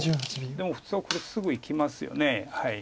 でも普通はこれすぐいきますよね。